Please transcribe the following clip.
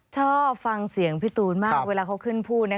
ชอบฟังเสียงพี่ตูนมากเวลาเขาขึ้นพูด